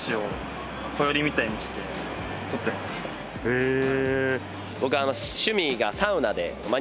へえ。